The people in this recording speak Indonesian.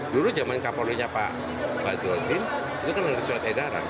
dulu zaman kapolonya pak jodin itu kan harus suat edaran